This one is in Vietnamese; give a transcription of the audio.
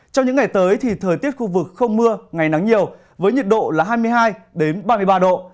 trong những ngày tới thì thời tiết khu vực không mưa ngày nắng nhiều với nhiệt độ là hai mươi hai ba mươi ba độ